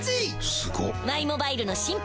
すごっ！